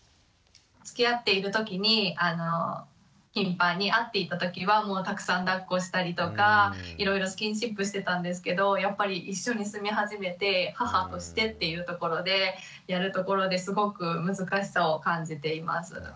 つきあっている時に頻繁に会っていた時はもうたくさんだっこしたりとかいろいろスキンシップしてたんですけどやっぱり一緒に住み始めて母としてっていうところでやるところですごく難しさを感じています。